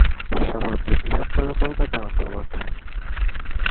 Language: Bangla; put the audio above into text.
শহরটি বৃহত্তর কলকাতার অন্তর্গত।